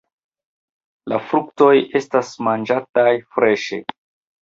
La fruktoj estas manĝataj freŝe.